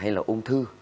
hay là ung thư